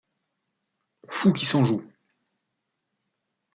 Fou qui s’en joue !